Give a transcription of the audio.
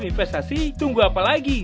investasi tunggu apa lagi